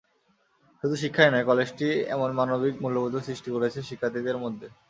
শুধু শিক্ষাই নয়, কলেজটি এমন মানবিক মূল্যবোধও সৃষ্টি করেছে শিক্ষার্থীদের মধ্যে।